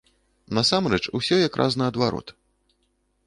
Насамрэч, усё якраз наадварот.